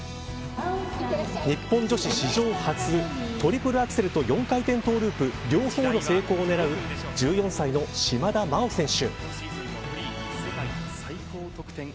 日本女子史上初トリプルアクセルと４回転トゥループ両方の成功を狙う１４歳の島田真央選手。